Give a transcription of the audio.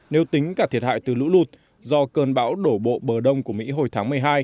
nếu tính cả thiệt hại từ lũ lụt do cơn bão đổ bộ bờ đông của mỹ hồi tháng một mươi hai